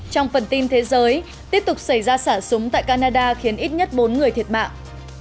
trong phần tin thế giới tiếp tục xảy ra xả súng tại canada khiến ít nhất bốn người thiệt mạng